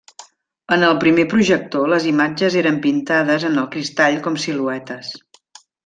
En el primer projector les imatges eren pintades en el cristall com siluetes.